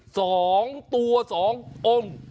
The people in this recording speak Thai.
สองตัวสององค์